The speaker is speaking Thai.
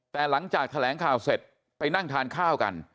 แต่หลังจากแถลงข่าวเสร็จไปนั่งทานข้าวกัน